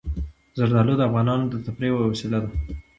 زردالو د افغانانو د تفریح یوه وسیله ده.